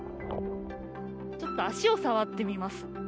ちょっと足を触ってみます。